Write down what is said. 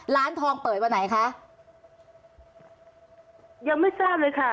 ร้านทองเปิดวันไหนคะยังไม่ทราบเลยค่ะ